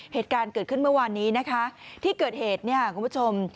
เหตุการณ์เกิดขึ้นเมื่อวานนี้นะคะที่เกิดเหตุเนี่ยคุณผู้ชม